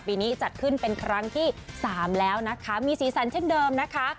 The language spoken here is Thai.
ปีนี้จัดขึ้นเป็นครั้งที่สามแล้วนะคะมีสีสันเช่นเดิมนะคะ